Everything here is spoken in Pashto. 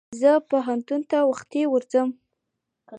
زه پوهنتون ته وختي ورځم.